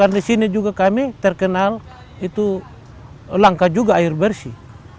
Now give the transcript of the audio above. karena di sini juga kami terkenal itu langka juga air bersih